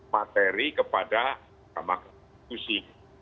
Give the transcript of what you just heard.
materi kepada rama konstitusi